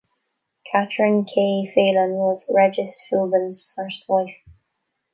Catherine "Kay" Faylen was Regis Philbin's first wife.